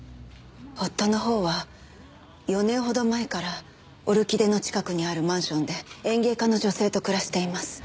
夫のほうは４年ほど前からオルキデの近くにあるマンションで園芸家の女性と暮らしています。